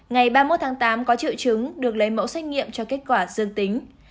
ngày ba mươi một tháng tám có triệu chứng được lấy mẫu xét nghiệm cho kết quả dương tính